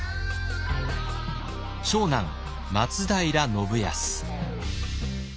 長男松平信康。